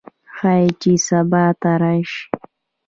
ښايي چې سبا ته راشي